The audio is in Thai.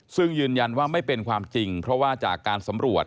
ซึ่งยืนยันว่าไม่เป็นความจริงเพราะว่าจากการสำรวจ